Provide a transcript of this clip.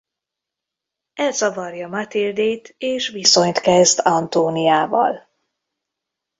Elzavarja Matildét és viszonyt kezd Antoniával.